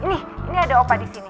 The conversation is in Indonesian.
ini ada opa disini